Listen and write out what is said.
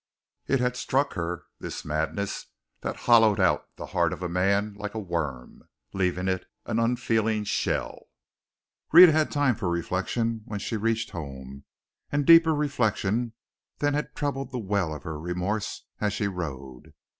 It had struck her, this madness that hollowed out the heart of a man like a worm, leaving it an unfeeling shell. Rhetta had time for reflection when she reached home, and deeper reflection than had troubled the well of her remorse as she rode.